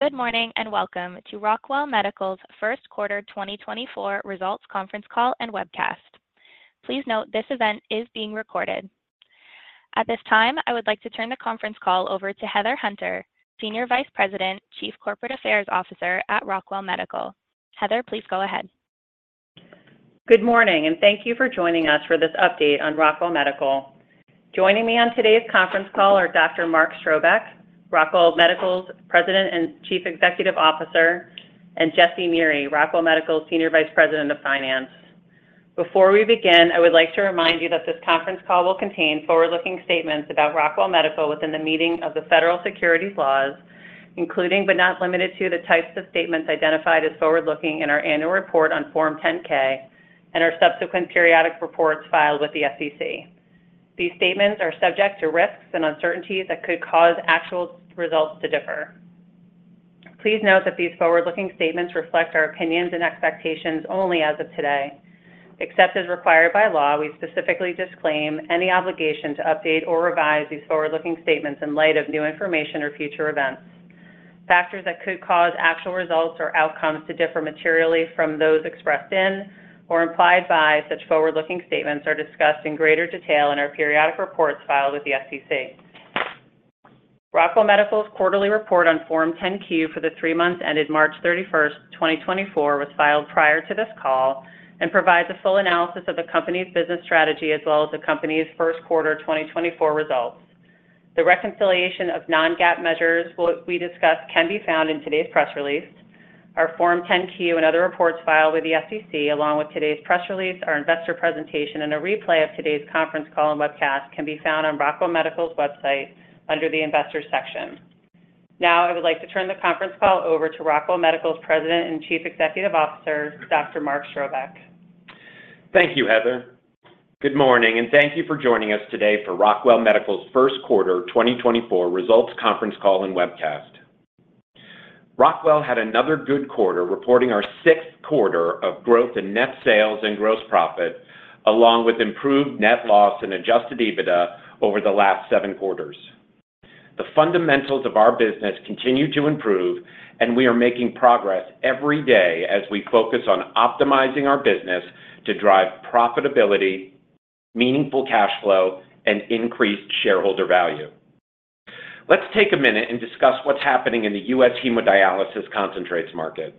Good morning and welcome to Rockwell Medical's First Quarter 2024 Results Conference Call and Webcast. Please note this event is being recorded. At this time, I would like to turn the conference call over to Heather Hunter, Senior Vice President, Chief Corporate Affairs Officer at Rockwell Medical. Heather, please go ahead. Good morning, and thank you for joining us for this update on Rockwell Medical. Joining me on today's conference call are Dr. Mark Strobeck, Rockwell Medical's President and Chief Executive Officer, and Jesse Neri, Rockwell Medical's Senior Vice President of Finance. Before we begin, I would like to remind you that this conference call will contain forward-looking statements about Rockwell Medical within the meaning of the federal securities laws, including but not limited to the types of statements identified as forward-looking in our annual report on Form 10-K and our subsequent periodic reports filed with the SEC. These statements are subject to risks and uncertainties that could cause actual results to differ. Please note that these forward-looking statements reflect our opinions and expectations only as of today. Except as required by law, we specifically disclaim any obligation to update or revise these forward-looking statements in light of new information or future events. Factors that could cause actual results or outcomes to differ materially from those expressed in or implied by such forward-looking statements are discussed in greater detail in our periodic reports filed with the SEC. Rockwell Medical's quarterly report on Form 10-Q for the three months ended March 31, 2024, was filed prior to this call and provides a full analysis of the company's business strategy as well as the company's first quarter 2024 results. The reconciliation of non-GAAP measures we discussed can be found in today's press release. Our Form 10-Q and other reports filed with the SEC, along with today's press release, our investor presentation, and a replay of today's conference call and webcast can be found on Rockwell Medical's website under the Investors section. Now, I would like to turn the conference call over to Rockwell Medical's President and Chief Executive Officer, Dr. Mark Strobeck. Thank you, Heather. Good morning, and thank you for joining us today for Rockwell Medical's first quarter 2024 results conference call and webcast. Rockwell had another good quarter reporting our sixth quarter of growth in net sales and gross profit, along with improved net loss and adjusted EBITDA over the last seven quarters. The fundamentals of our business continue to improve, and we are making progress every day as we focus on optimizing our business to drive profitability, meaningful cash flow, and increased shareholder value. Let's take a minute and discuss what's happening in the U.S. hemodialysis concentrates market.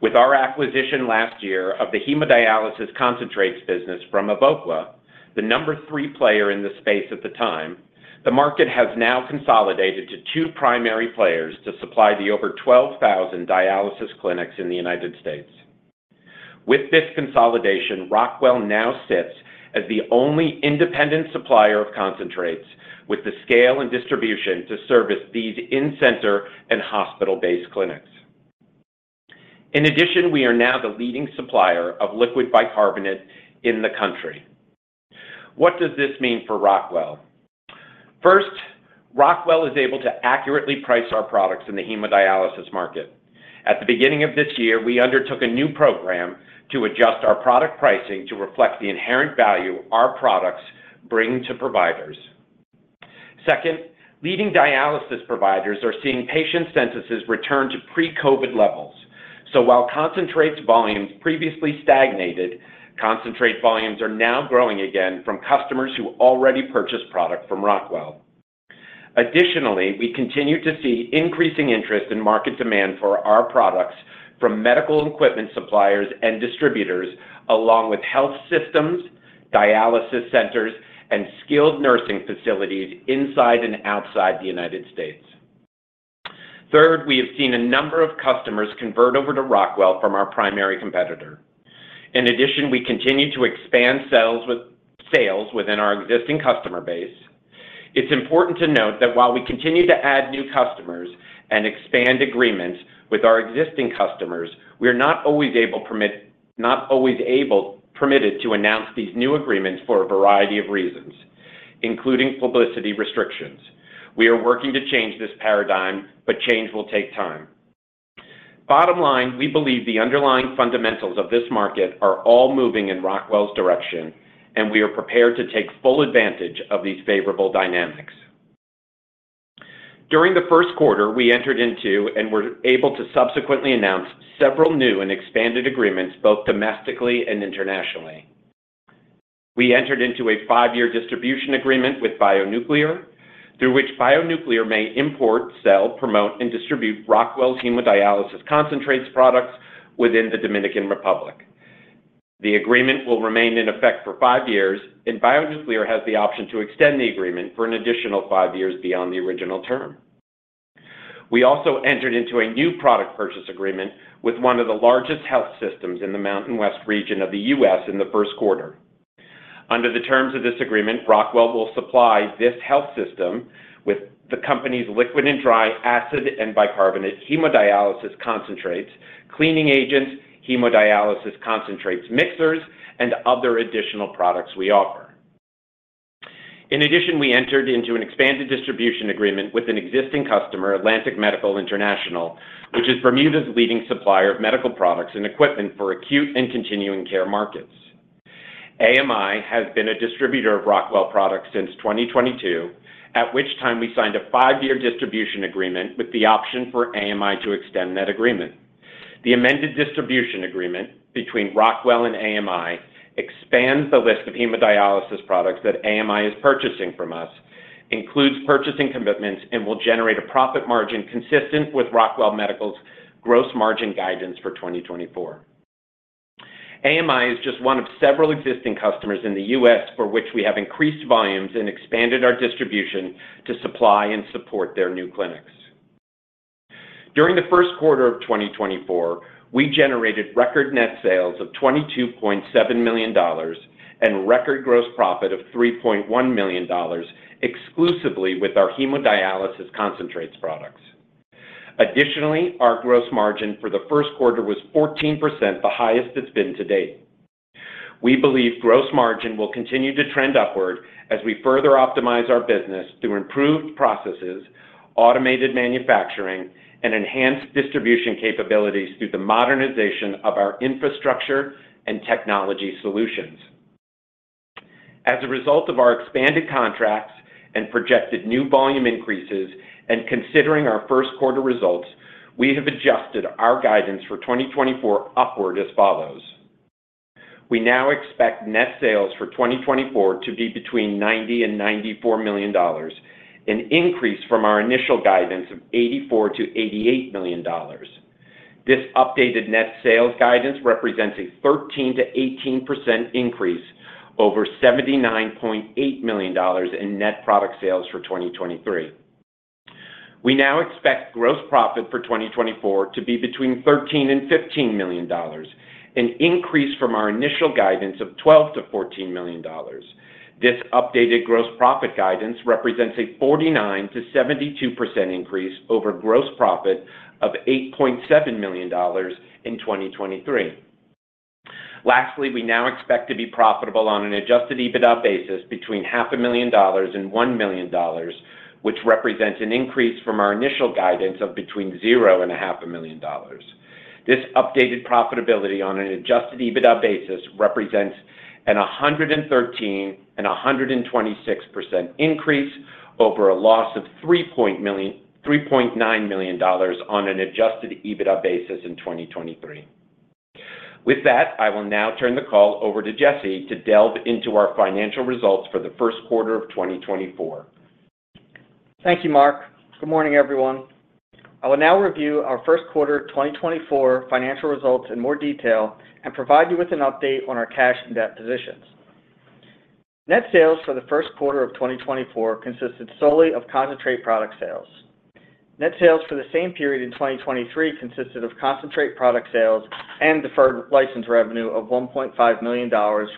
With our acquisition last year of the hemodialysis concentrates business from Evoqua, the number three player in the space at the time, the market has now consolidated to two primary players to supply the over 12,000 dialysis clinics in the United States. With this consolidation, Rockwell now sits as the only independent supplier of concentrates with the scale and distribution to service these in-center and hospital-based clinics. In addition, we are now the leading supplier of liquid bicarbonate in the country. What does this mean for Rockwell? First, Rockwell is able to accurately price our products in the hemodialysis market. At the beginning of this year, we undertook a new program to adjust our product pricing to reflect the inherent value our products bring to providers. Second, leading dialysis providers are seeing patient census return to pre-COVID levels. So while concentrates volumes previously stagnated, concentrate volumes are now growing again from customers who already purchased product from Rockwell. Additionally, we continue to see increasing interest in market demand for our products from medical equipment suppliers and distributors, along with health systems, dialysis centers, and skilled nursing facilities inside and outside the United States. Third, we have seen a number of customers convert over to Rockwell from our primary competitor. In addition, we continue to expand sales within our existing customer base. It's important to note that while we continue to add new customers and expand agreements with our existing customers, we are not always permitted to announce these new agreements for a variety of reasons, including publicity restrictions. We are working to change this paradigm, but change will take time. Bottom line, we believe the underlying fundamentals of this market are all moving in Rockwell's direction, and we are prepared to take full advantage of these favorable dynamics. During the first quarter, we entered into and were able to subsequently announce several new and expanded agreements both domestically and internationally. We entered into a five-year distribution agreement with BioNuclear, through which BioNuclear may import, sell, promote, and distribute Rockwell's hemodialysis concentrates products within the Dominican Republic. The agreement will remain in effect for five years, and BioNuclear has the option to extend the agreement for an additional five years beyond the original term. We also entered into a new product purchase agreement with one of the largest health systems in the Mountain West region of the U.S. in the first quarter. Under the terms of this agreement, Rockwell will supply this health system with the company's liquid and dry acid and bicarbonate hemodialysis concentrates, cleaning agents, hemodialysis concentrates mixers, and other additional products we offer. In addition, we entered into an expanded distribution agreement with an existing customer, Atlantic Medical International, which is Bermuda's leading supplier of medical products and equipment for acute and continuing care markets. AMI has been a distributor of Rockwell products since 2022, at which time we signed a five-year distribution agreement with the option for AMI to extend that agreement. The amended distribution agreement between Rockwell and AMI expands the list of hemodialysis products that AMI is purchasing from us, includes purchasing commitments, and will generate a profit margin consistent with Rockwell Medical's gross margin guidance for 2024. AMI is just one of several existing customers in the U.S. for which we have increased volumes and expanded our distribution to supply and support their new clinics. During the first quarter of 2024, we generated record net sales of $22.7 million and record gross profit of $3.1 million exclusively with our hemodialysis concentrates products. Additionally, our gross margin for the first quarter was 14%, the highest it's been to date. We believe gross margin will continue to trend upward as we further optimize our business through improved processes, automated manufacturing, and enhanced distribution capabilities through the modernization of our infrastructure and technology solutions. As a result of our expanded contracts and projected new volume increases and considering our first quarter results, we have adjusted our guidance for 2024 upward as follows. We now expect net sales for 2024 to be between $90 million-$94 million, an increase from our initial guidance of $84 million-$88 million. This updated net sales guidance represents a 13%-18% increase over $79.8 million in net product sales for 2023. We now expect gross profit for 2024 to be between $13 million-$15 million, an increase from our initial guidance of $12 million-$14 million. This updated gross profit guidance represents a 49%-72% increase over gross profit of $8.7 million in 2023. Lastly, we now expect to be profitable on an adjusted EBITDA basis between $500,000 and $1 million, which represents an increase from our initial guidance of between $0 and $500,000. This updated profitability on an adjusted EBITDA basis represents an 113% and 126% increase over a loss of $3.9 million on an adjusted EBITDA basis in 2023. With that, I will now turn the call over to Jesse to delve into our financial results for the first quarter of 2024. Thank you, Mark. Good morning, everyone. I will now review our first quarter 2024 financial results in more detail and provide you with an update on our cash and debt positions. Net sales for the first quarter of 2024 consisted solely of concentrate product sales. Net sales for the same period in 2023 consisted of concentrate product sales and deferred license revenue of $1.5 million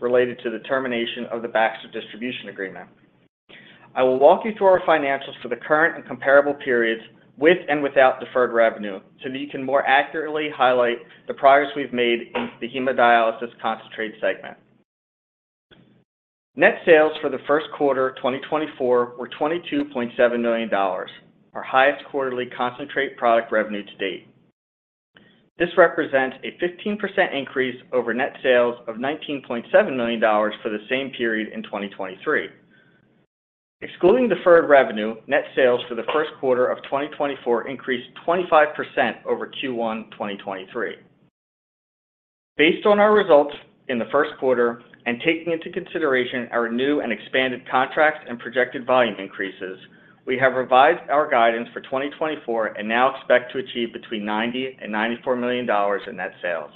related to the termination of the Baxter distribution agreement. I will walk you through our financials for the current and comparable periods with and without deferred revenue so that you can more accurately highlight the progress we've made in the hemodialysis concentrate segment. Net sales for the first quarter 2024 were $22.7 million, our highest quarterly concentrate product revenue to date. This represents a 15% increase over net sales of $19.7 million for the same period in 2023. Excluding deferred revenue, net sales for the first quarter of 2024 increased 25% over Q1 2023. Based on our results in the first quarter and taking into consideration our new and expanded contracts and projected volume increases, we have revised our guidance for 2024 and now expect to achieve between $90 million and $94 million in net sales.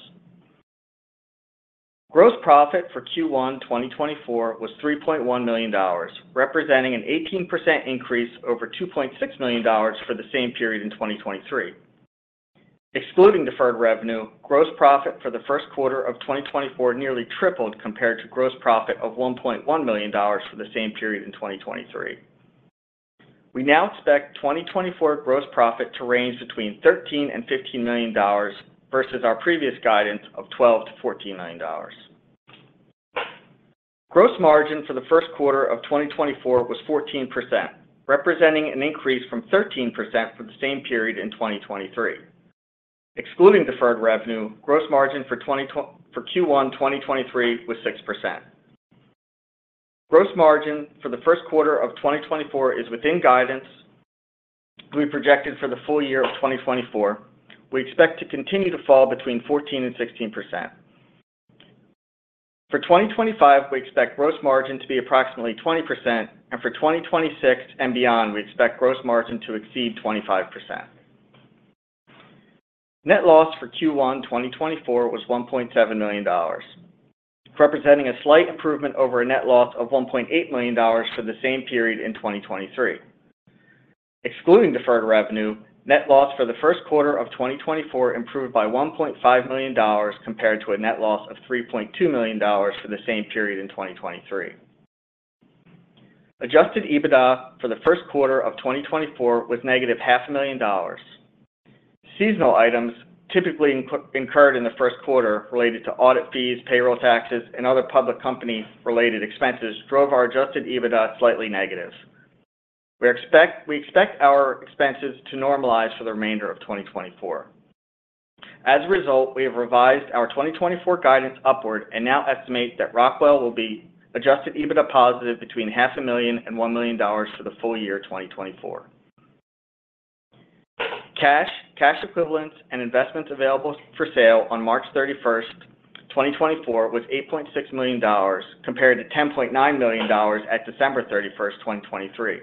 Gross profit for Q1 2024 was $3.1 million, representing an 18% increase over $2.6 million for the same period in 2023. Excluding deferred revenue, gross profit for the first quarter of 2024 nearly tripled compared to gross profit of $1.1 million for the same period in 2023. We now expect 2024 gross profit to range between $13 million and $15 million versus our previous guidance of $12 million-$14 million. Gross margin for the first quarter of 2024 was 14%, representing an increase from 13% for the same period in 2023. Excluding deferred revenue, gross margin for Q1 2023 was 6%. Gross margin for the first quarter of 2024 is within guidance we projected for the full year of 2024. We expect to continue to fall between 14%-16%. For 2025, we expect gross margin to be approximately 20%, and for 2026 and beyond, we expect gross margin to exceed 25%. Net loss for Q1 2024 was $1.7 million, representing a slight improvement over a net loss of $1.8 million for the same period in 2023. Excluding deferred revenue, net loss for the first quarter of 2024 improved by $1.5 million compared to a net loss of $3.2 million for the same period in 2023. Adjusted EBITDA for the first quarter of 2024 was -$500,000. Seasonal items, typically incurred in the first quarter related to audit fees, payroll taxes, and other public company-related expenses, drove our adjusted EBITDA slightly negative. We expect our expenses to normalize for the remainder of 2024. As a result, we have revised our 2024 guidance upward and now estimate that Rockwell will be adjusted EBITDA positive between $500,000 and $1 million for the full year 2024. Cash equivalents and investments available for sale on March 31st, 2024, was $8.6 million compared to $10.9 million at December 31st, 2023.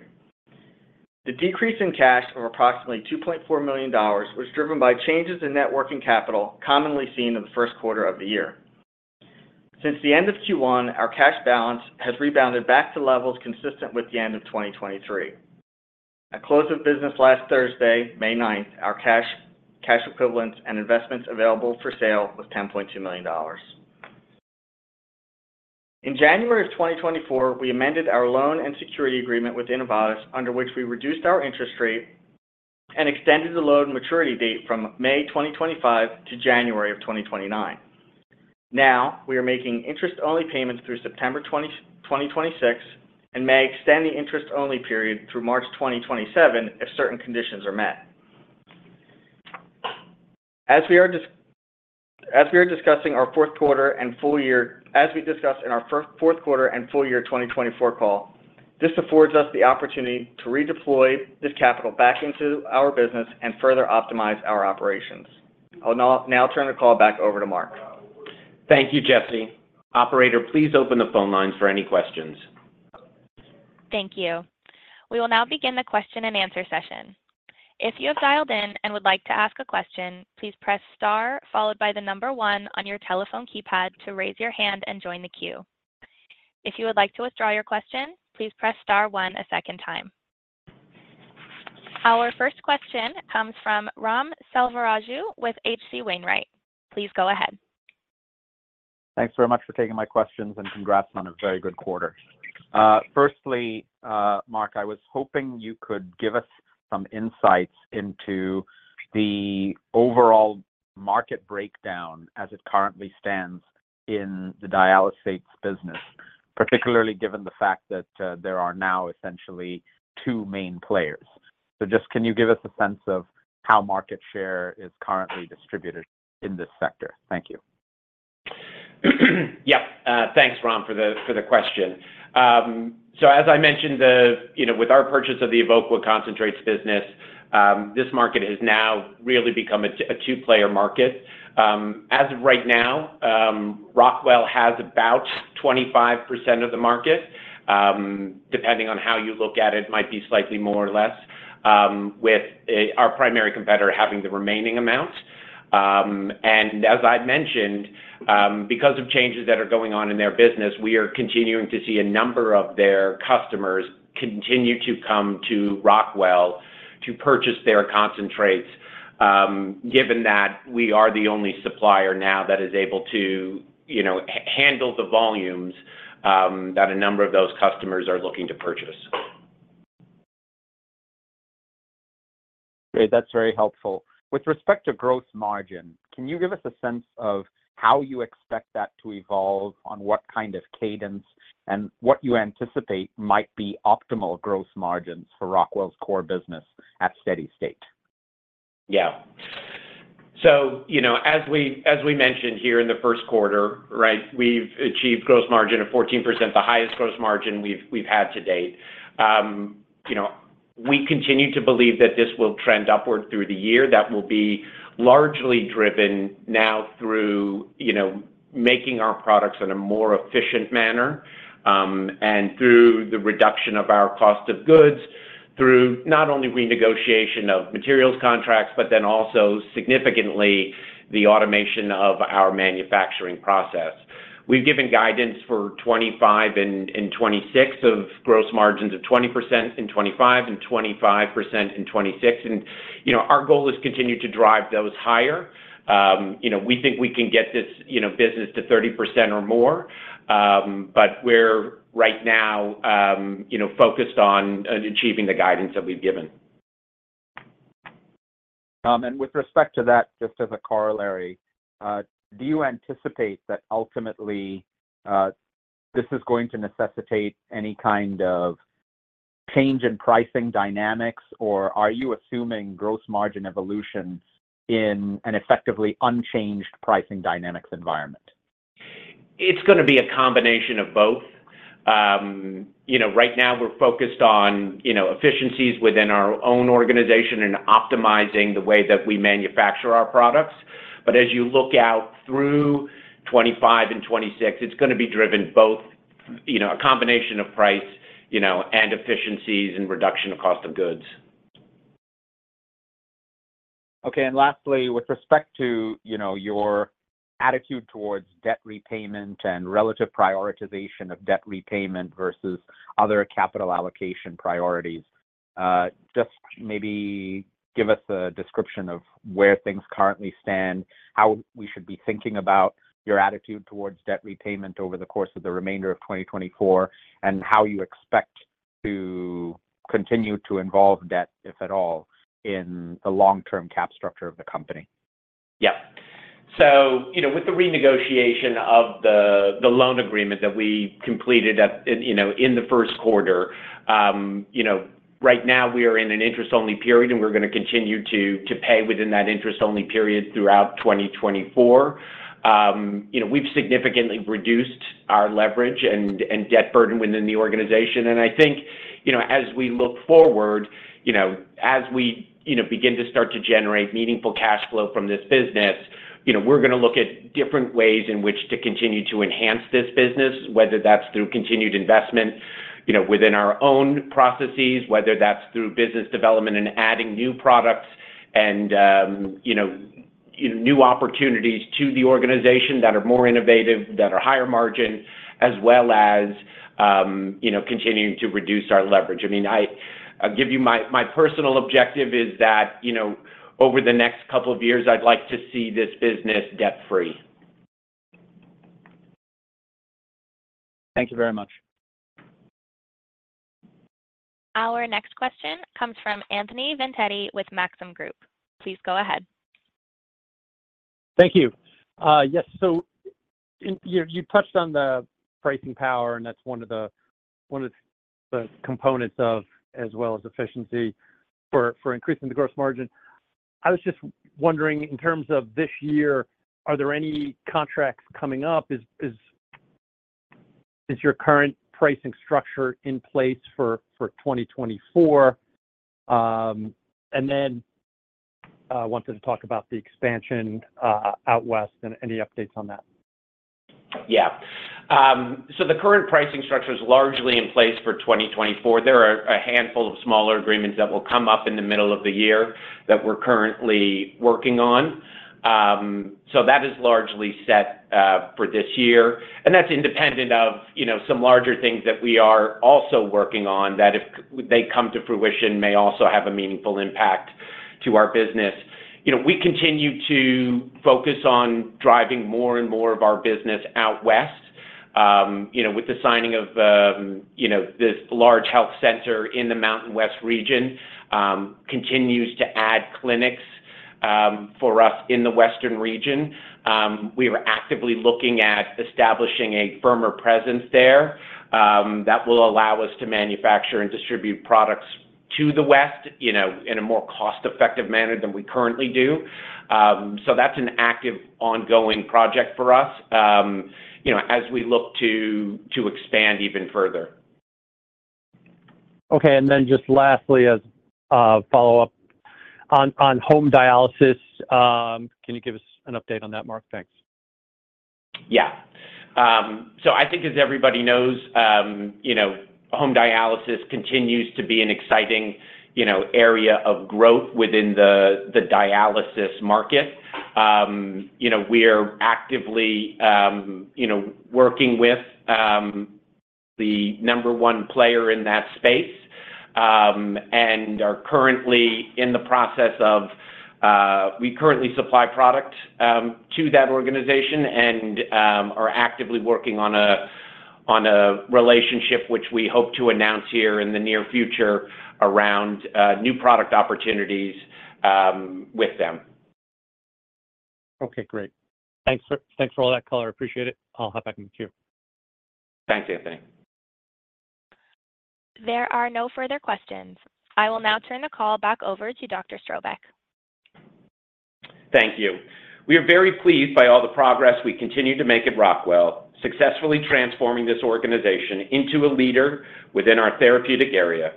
The decrease in cash of approximately $2.4 million was driven by changes in net working capital commonly seen in the first quarter of the year. Since the end of Q1, our cash balance has rebounded back to levels consistent with the end of 2023. At close of business last Thursday, May 9th, our cash equivalents and investments available for sale was $10.2 million. In January of 2024, we amended our loan and security agreement with Innovatus under which we reduced our interest rate and extended the loan maturity date from May 2025 to January of 2029. Now, we are making interest-only payments through September 2026 and may extend the interest-only period through March 2027 if certain conditions are met. As we discuss in our fourth quarter and full year 2024 call, this affords us the opportunity to redeploy this capital back into our business and further optimize our operations. I'll now turn the call back over to Mark. Thank you, Jesse. Operator, please open the phone lines for any questions. Thank you. We will now begin the question and answer session. If you have dialed in and would like to ask a question, please press star followed by the number one on your telephone keypad to raise your hand and join the queue. If you would like to withdraw your question, please press star one a second time. Our first question comes from Ram Selvaraju with H.C. Wainwright. Please go ahead. Thanks very much for taking my questions and congrats on a very good quarter. Firstly, Mark, I was hoping you could give us some insights into the overall market breakdown as it currently stands in the dialysates business, particularly given the fact that there are now essentially two main players. So just can you give us a sense of how market share is currently distributed in this sector? Thank you. Yep. Thanks, Ram, for the question. As I mentioned, with our purchase of the Evoqua concentrates business, this market has now really become a two-player market. As of right now, Rockwell has about 25% of the market. Depending on how you look at it, it might be slightly more or less, with our primary competitor having the remaining amount. And as I mentioned, because of changes that are going on in their business, we are continuing to see a number of their customers continue to come to Rockwell to purchase their concentrates, given that we are the only supplier now that is able to handle the volumes that a number of those customers are looking to purchase. Great. That's very helpful. With respect to gross margin, can you give us a sense of how you expect that to evolve, on what kind of cadence, and what you anticipate might be optimal gross margins for Rockwell's core business at steady state? Yeah. So as we mentioned here in the first quarter, right, we've achieved gross margin of 14%, the highest gross margin we've had to date. We continue to believe that this will trend upward through the year. That will be largely driven now through making our products in a more efficient manner and through the reduction of our cost of goods, through not only renegotiation of materials contracts, but then also significantly the automation of our manufacturing process. We've given guidance for 2025 and 2026 of gross margins of 20% in 2025 and 25% in 2026. And our goal is to continue to drive those higher. We think we can get this business to 30% or more, but we're right now focused on achieving the guidance that we've given. With respect to that, just as a corollary, do you anticipate that ultimately this is going to necessitate any kind of change in pricing dynamics, or are you assuming gross margin evolution in an effectively unchanged pricing dynamics environment? It's going to be a combination of both. Right now, we're focused on efficiencies within our own organization and optimizing the way that we manufacture our products. But as you look out through 2025 and 2026, it's going to be driven both a combination of price and efficiencies and reduction of cost of goods. Okay. Lastly, with respect to your attitude towards debt repayment and relative prioritization of debt repayment versus other capital allocation priorities, just maybe give us a description of where things currently stand, how we should be thinking about your attitude towards debt repayment over the course of the remainder of 2024, and how you expect to continue to involve debt, if at all, in the long-term cap structure of the company? Yep. So with the renegotiation of the loan agreement that we completed in the first quarter, right now, we are in an interest-only period, and we're going to continue to pay within that interest-only period throughout 2024. We've significantly reduced our leverage and debt burden within the organization. And I think as we look forward, as we begin to start to generate meaningful cash flow from this business, we're going to look at different ways in which to continue to enhance this business, whether that's through continued investment within our own processes, whether that's through business development and adding new products and new opportunities to the organization that are more innovative, that are higher margin, as well as continuing to reduce our leverage. I mean, I'll give you my personal objective is that over the next couple of years, I'd like to see this business debt-free. Thank you very much. Our next question comes from Anthony Vendetti with Maxim Group. Please go ahead. Thank you. Yes. So you touched on the pricing power, and that's one of the components of, as well as efficiency for increasing the gross margin. I was just wondering, in terms of this year, are there any contracts coming up? Is your current pricing structure in place for 2024? And then I wanted to talk about the expansion out west and any updates on that. Yeah. So the current pricing structure is largely in place for 2024. There are a handful of smaller agreements that will come up in the middle of the year that we're currently working on. So that is largely set for this year. And that's independent of some larger things that we are also working on that, if they come to fruition, may also have a meaningful impact to our business. We continue to focus on driving more and more of our business out west. With the signing of this large health system in the Mountain West region, continues to add clinics for us in the western region. We are actively looking at establishing a firmer presence there that will allow us to manufacture and distribute products to the west in a more cost-effective manner than we currently do. So that's an active ongoing project for us as we look to expand even further. Okay. And then just lastly, as a follow-up on home dialysis, can you give us an update on that, Mark? Thanks. Yeah. So I think, as everybody knows, home dialysis continues to be an exciting area of growth within the dialysis market. We are actively working with the number one player in that space, and we currently supply product to that organization and are actively working on a relationship which we hope to announce here in the near future around new product opportunities with them. Okay. Great. Thanks for all that color. Appreciate it. I'll hop back in the queue. Thanks, Anthony. There are no further questions. I will now turn the call back over to Dr. Strobeck. Thank you. We are very pleased by all the progress we continue to make at Rockwell, successfully transforming this organization into a leader within our therapeutic area.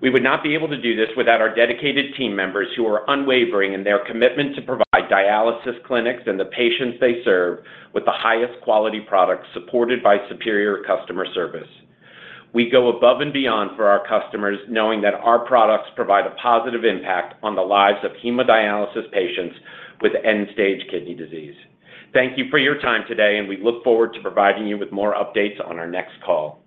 We would not be able to do this without our dedicated team members who are unwavering in their commitment to provide dialysis clinics and the patients they serve with the highest quality products supported by superior customer service. We go above and beyond for our customers knowing that our products provide a positive impact on the lives of hemodialysis patients with end-stage kidney disease. Thank you for your time today, and we look forward to providing you with more updates on our next call.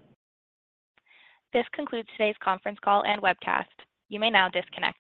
This concludes today's conference call and webcast. You may now disconnect.